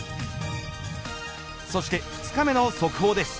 そして２日目の速報です。